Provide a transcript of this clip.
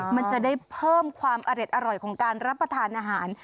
มันจะได้เพิ่มความอร็ดอร่อยของการรับประทานอาหาร